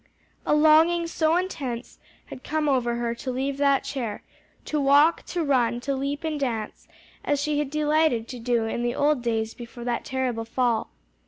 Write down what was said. A longing so intense had come over her to leave that chair, to walk, to run, to leap and dance, as she had delighted to do in the old days before that terrible fall.